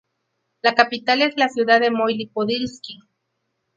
La capital es la ciudad de Mohyliv-Podilskyi.